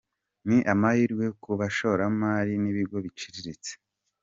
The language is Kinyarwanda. Ni amahirwe ku bashoramari n’ibigo biciriritse.